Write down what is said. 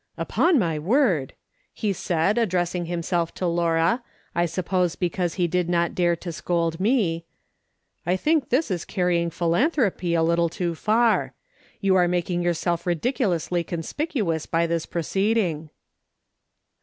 " Upon my word !" he said, addressing himself to Laura, I suppose because he did not dare to scold me, " I think this is carrying philanthropy a little too far. You are making yourself ridiculously con spicuous by this proceeding."